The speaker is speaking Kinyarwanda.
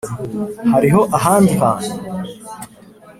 hariho ahandi hantu?